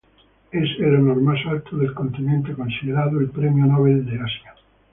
Es el honor más alto del continente, considerado el Premio Nobel de Asia.